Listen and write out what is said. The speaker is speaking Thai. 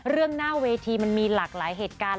หน้าเวทีมันมีหลากหลายเหตุการณ์